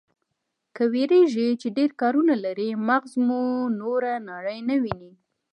که وېرېږئ چې ډېر کارونه لرئ، مغز مو نوره نړۍ نه ويني.